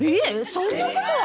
そんなことは。